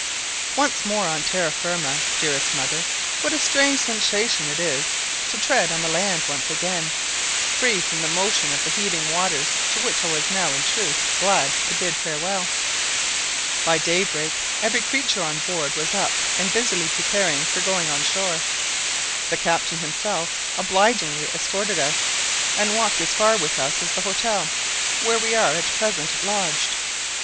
Once more on terra ferma, dearest mother: what a strange sensation it is to tread the land once again, free from the motion of the heaving waters, to which I was now, in truth, glad to bid farewell. By daybreak every creature on board was up and busily preparing for going on shore. The captain himself obligingly escorted us, and walked as far with us as the hotel, where we are at present lodged.